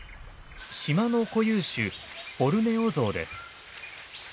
島の固有種ボルネオゾウです。